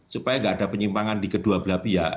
supaya nggak ada penyimpangan di kedua belah pihak